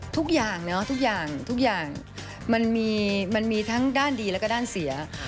ทุกอย่างมันมีทั้งด้านดีและก็ด้านเสีย